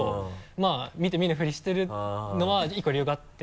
まぁ見て見ぬふりしてるのは１個理由があって。